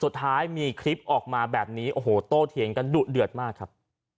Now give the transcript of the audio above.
สุดท้ายมีคลิปออกมาแบบนี้โอ้โหโตเถียงกันดุเดือดมากครับ